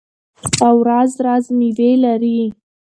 او راز راز میوې لري.